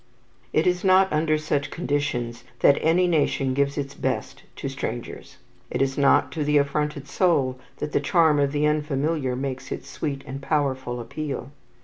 It is not under such conditions that any nation gives its best to strangers. It is not to the affronted soul that the charm of the unfamiliar makes its sweet and powerful appeal.